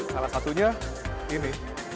salah satunya ini